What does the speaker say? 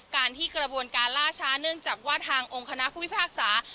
การที่กระบวนการล่าช้าเนื่องจากว่าทางองค์คณะผู้พิพากษา